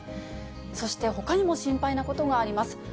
そしてほかにも心配なことがあります。